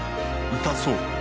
痛そう。